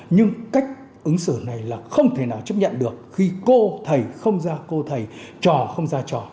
nhưng cách ứng xử này là không thể nào chấp nhận được khi cô thầy không ra cô thầy trò không ra trò